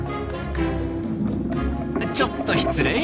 ちょっと失礼！